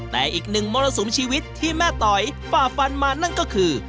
แต่อีกหนึ่งมรสุมชีวิตที่แม่ต๋อยฝ่าฟันมานั่นก็คือ